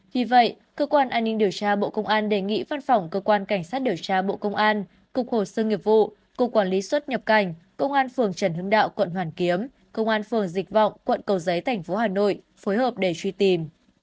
vì vậy cơ quan an ninh điều tra bộ công an đề nghị văn phòng cơ quan cảnh sát điều tra bộ công an cục hồ sơ nghiệp vụ cục quản lý xuất nhập cảnh công an phường trần hưng đạo quận hoàn kiếm công an phường dịch vọng quận cầu giấy thành phố hà nội phối hợp để truy tìm